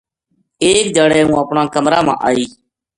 ایک دھیاڑے ہوں اپنا کمرا ما آئی